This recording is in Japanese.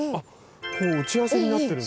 こう打ち合わせになってるんだ。